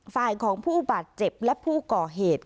ฝ่ายของผู้บาดเจ็บและผู้ก่อเหตุ